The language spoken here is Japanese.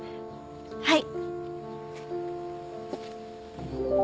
はい！